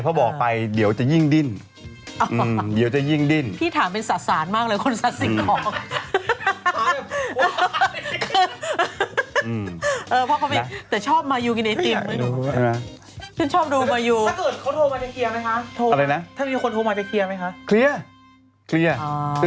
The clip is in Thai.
ไปโดยที่ไม่ได้เรียนรู้อีกครั้ง